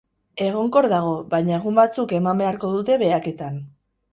Egonkor dago, baina egun batzuk eman beharko dute behaketan.